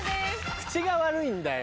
口が悪いんだよ。